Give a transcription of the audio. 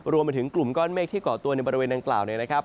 รวมไปถึงกลุ่มก้อนเมฆที่เกาะตัวในบริเวณดังกล่าวเนี่ยนะครับ